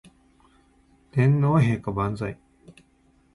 天皇陛下万歳